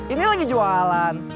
ini lagi jualan